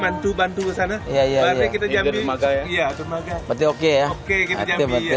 itu bantu sana ya ya kita jadi rumah kaya kemangkan oke oke oke oke oke oke oke oke